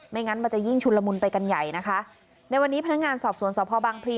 งั้นมันจะยิ่งชุนละมุนไปกันใหญ่นะคะในวันนี้พนักงานสอบสวนสพบางพลี